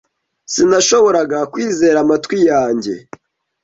Sinashoboraga kwizera amatwi yanjye.